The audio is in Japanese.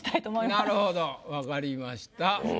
なるほど分かりました。